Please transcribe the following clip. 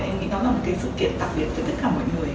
em nghĩ nó là một sự kiện đặc biệt với tất cả mọi người